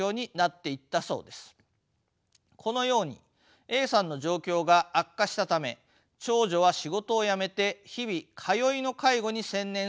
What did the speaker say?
このようにＡさんの状況が悪化したため長女は仕事を辞めて日々通いの介護に専念することを決断したそうです。